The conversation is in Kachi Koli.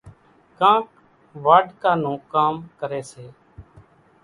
ڪانڪ واڍڪا نون ڪام ڪريَ سي۔